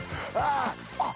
あっ。